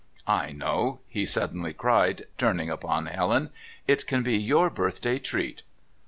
"I know," he suddenly cried, turning upon Helen; "it can be your birthday treat!"